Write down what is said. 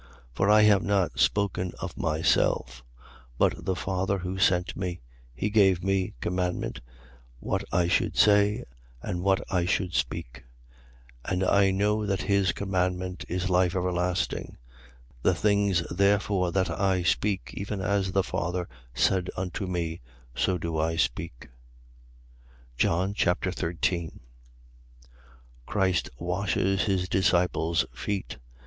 12:49. For I have not spoken of myself: but the Father who sent me, he gave me commandment what I should say and what I should speak. 12:50. And I know that his commandment is life everlasting. The things therefore that I speak, even as the Father said unto me, so do I speak. John Chapter 13 Christ washes his disciples' feet.